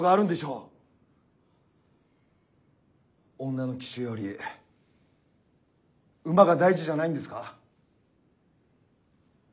女の騎手より馬が大事じゃないんですか？